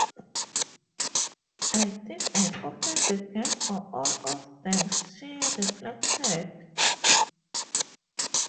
"I think I opened the gate for all of them," she reflected.